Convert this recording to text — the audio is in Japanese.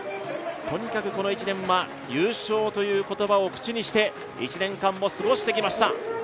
とにかくこの１年は優勝という言葉を口にして１年間を過ごしてきました。